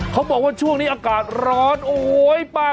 เขาบอกว่าช่วงนี้อากาศร้อนโอ๊ยป้า